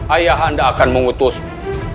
ayah anda akan mengutusmu